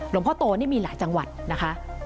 หลวงพ่อโตนี่มีหลายจังหวัดนะคะ